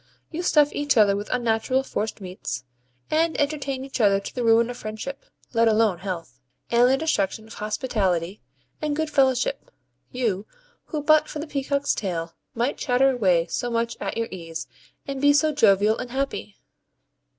You stuff each other with unnatural forced meats, and entertain each other to the ruin of friendship (let alone health) and the destruction of hospitality and good fellowship you, who but for the peacock's tail might chatter away so much at your ease, and be so jovial and happy!